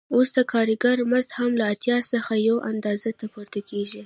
اوس د کارګر مزد هم له اتیا څخه یوې اندازې ته پورته کېږي